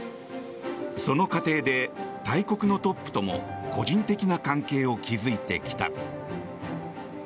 その過程で大国のトップとも個人的な関係を築いてきた。